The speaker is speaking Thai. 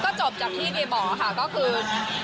ก็จบจากที่เดย์บอกค่ะก็คือ